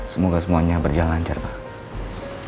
semoga semuanya berjalan lancar pak